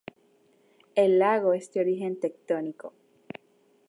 El lago es de origen tectónico.